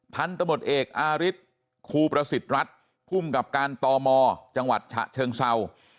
พันธมตเอกอาริสครูประสิทธิ์รัฐภูมิกับการตมจังหวัดฉะเชิงเศร้า